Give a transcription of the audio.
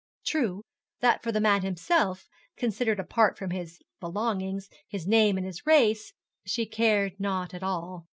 True, that for the man himself, considered apart from his belongings, his name and race, she cared not at all.